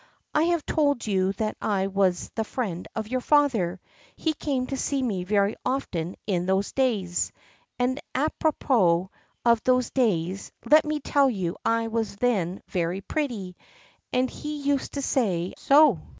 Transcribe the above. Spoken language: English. I have told you that I was the friend of your father; he came to see me very often in those days; and à propos of those days, let me tell you I was then very pretty, and he used to say so.